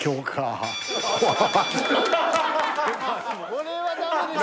これはダメでしょ。